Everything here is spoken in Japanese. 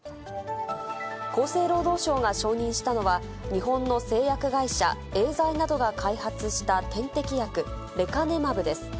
厚生労働省が承認したのは、日本の製薬会社、エーザイなどが開発した点滴薬、レカネマブです。